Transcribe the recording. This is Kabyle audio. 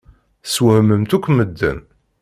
Teswehmemt akk medden.